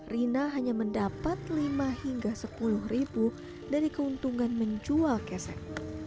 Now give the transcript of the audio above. rina hanya mendapat lima hingga sepuluh ribu dari keuntungan menjual kesek